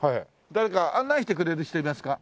誰か案内してくれる人いますか？